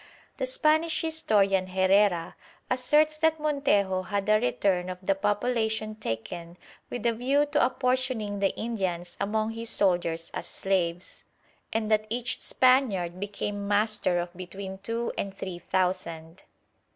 The Spanish historian Herrera asserts that Montejo had a return of the population taken with a view to apportioning the Indians among his soldiers as slaves, and that each Spaniard became master of between two and three thousand.